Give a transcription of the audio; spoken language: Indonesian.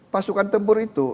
pasukan tempur itu